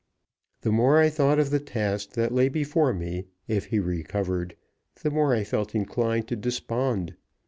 The more I thought of the task that lay before me, if he recovered, the more I felt inclined to despond.